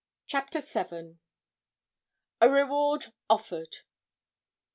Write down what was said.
CHAPTER VII. A Reward Offered.